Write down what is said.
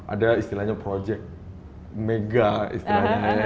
ada istilahnya proyek mega istilahnya